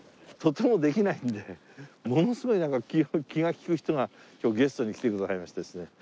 とてもできないんでものすごいなんか気が利く人が今日ゲストに来てくださいましてですね。